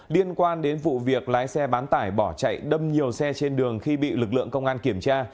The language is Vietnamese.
liên quan đến vụ việc lái xe bán tải bỏ chạy đâm nhiều xe trên đường khi bị lực lượng công an kiểm tra